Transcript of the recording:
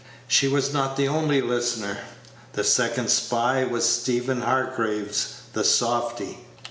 She was not the only listener. The second spy was Stephen Hargraves, the softy.